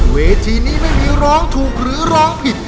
เวทีนี้ไม่มีร้องถูกหรือร้องผิด